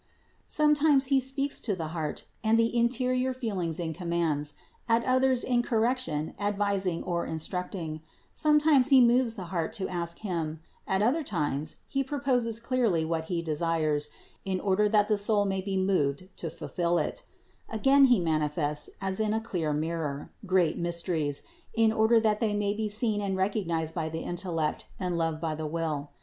Sometimes He speaks to the heart and the interior feelings in commands; at others, in correction, advising or instructing : sometimes He moves the heart to ask Him; at other times He proposes clearly what He desires, in order that the soul may be moved to fulfill it; again He manifests, as in a clear mirror, great mys teries, in order that they may be seen and recognized by the intellect and loved by the will.